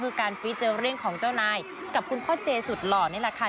คือการฟีเจอร์ริ่งของเจ้านายกับคุณพ่อเจสุดหล่อนี่แหละค่ะ